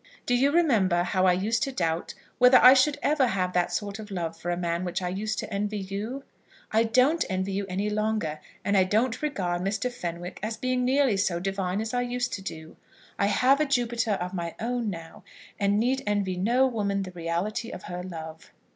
Do you remember how I used to doubt whether I should ever have that sort of love for a man for which I used to envy you? I don't envy you any longer, and I don't regard Mr. Fenwick as being nearly so divine as I used to do. I have a Jupiter of my own now, and need envy no woman the reality of her love.